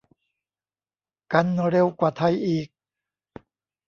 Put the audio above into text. กันเร็วกว่าไทยอีก